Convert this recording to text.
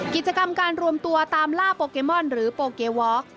กิจกรรมการรวมตัวตามล่าโปเกมอนหรือโปเกวอค